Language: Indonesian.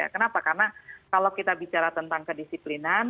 kenapa karena kalau kita bicara tentang kedisiplinan